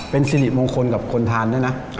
เป็นสิริมงคลกับคนทานด้วยนะ